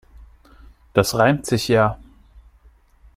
Das reimt sich ja.